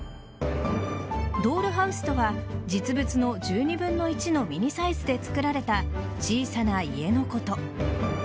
ドールハウスとは実物の１２分の１のミニサイズで作られた小さな家のこと。